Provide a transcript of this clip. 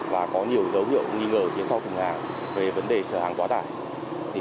và có nhiều dấu hiệu nghi ngờ phía sau thùng hàng về vấn đề chở hàng quá tải